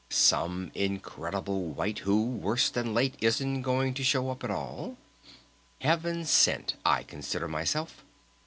Some incredible wight who, worse than late isn't going to show up at all?... Heaven sent, I consider myself....